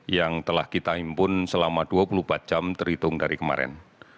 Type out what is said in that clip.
yang telah kita impun selama dua puluh empat jam terhitung dari kemarin